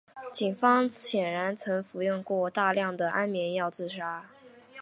警方显然曾服用过量的安眠药自杀。